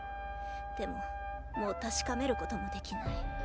でももう確かめることもできない。